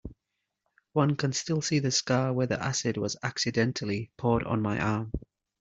One can still see the scar where the acid was accidentally poured on my arm.